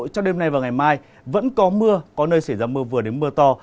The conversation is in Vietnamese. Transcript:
trong đêm nay và ngày mai vẫn có mưa có nơi xảy ra mưa vừa đến mưa to